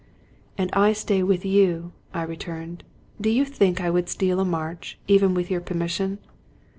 " And I stay with you," I returned. " Do you think I would steal a march, even with your permission